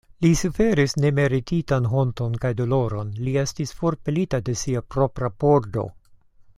Li suferis nemerititan honton kaj doloron, li estis forpelita de sia propra pordo.